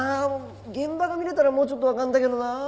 現場が見れたらもうちょっと分かんだけどな！